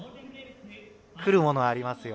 くるものありますよ。